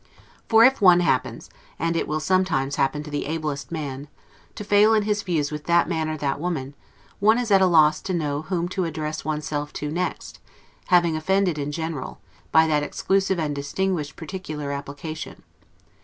For if one happens (and it will sometimes happen to the ablest man) to fail in his views with that man or that woman, one is at a loss to know whom to address one's self to next, having offended in general, by that exclusive and distinguished particular application.